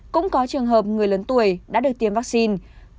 cũng có trường hợp người lớn tuổi đã được tiêm vaccine